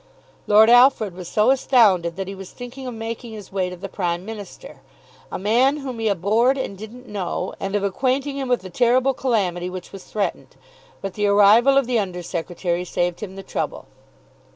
Lord Alfred was so astounded that he was thinking of making his way to the Prime Minister, a man whom he abhorred and didn't know, and of acquainting him with the terrible calamity which was threatened. But the arrival of the under secretary saved him the trouble.